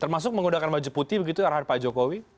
termasuk menggunakan baju putih begitu arahan pak jokowi